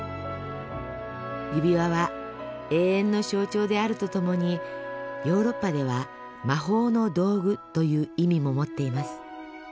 指輪は永遠の象徴であるとともにヨーロッパでは魔法の道具という意味も持っています。